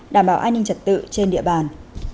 đảm bảo an ninh trật tự trên địa bàn